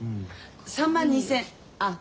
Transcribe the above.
３万２，０００あっ。